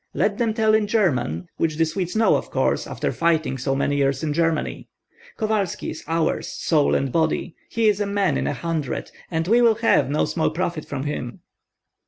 Let them tell in German, which the Swedes know of course, after fighting so many years in Germany. Kovalski is ours, soul and body. He is a man in a hundred, and we will have no small profit from him."